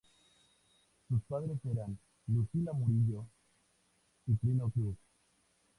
Sus padres eran Lucila Murillo y Trino Cruz.